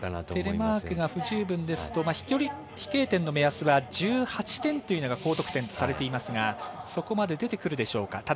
テレマークが不十分ですと飛型点の目安が１８点というのが高得点とされていますがそこまで出てくるでしょうか。